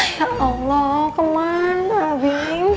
ya allah kemana abi